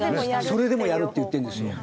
それでもやるって言ってるんですよ。